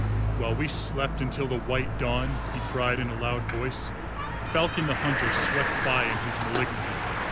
"While we slept until the white dawn," he cried in a loud voice, "Falcon the Hunter swept by in his malignity.